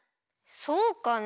そうかな？